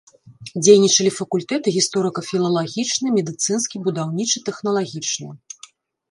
Дзейнічалі факультэты гісторыка-філалагічны, медыцынскі, будаўнічы, тэхналагічны.